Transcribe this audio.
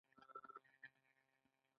که په یوه سکه یو کیلو وریجې واخلو